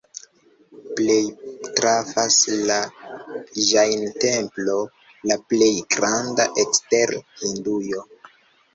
Plej trafas la Ĵain-templo, la plej granda ekster Hindujo.